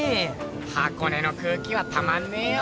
箱根の空気はたまんねぇよ。